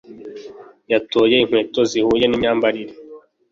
Yatoye inkweto zihuye nimyambarire